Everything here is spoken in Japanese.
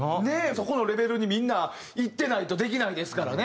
そこのレベルにみんないってないとできないですからね。